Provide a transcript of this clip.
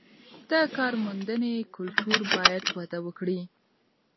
د کارموندنې کلتور باید وده وکړي.